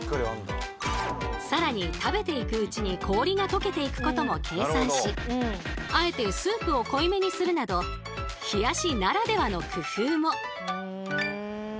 さらに食べていくうちに氷がとけていくことも計算しあえてスープを濃いめにするなど冷やしならではの工夫も。